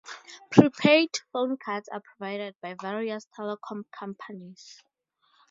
Prepaid phone cards are provided by various telecom companies.